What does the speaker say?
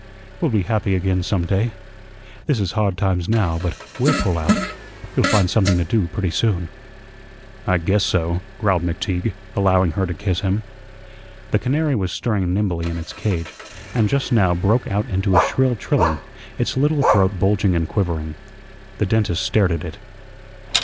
We'll be happy again some day. This is hard times now, but we'll pull out. You'll find something to do pretty soon." "I guess so," growled McTeague, allowing her to kiss him. The canary was stirring nimbly in its cage, and just now broke out into a shrill trilling, its little throat bulging and quivering. The dentist stared at it.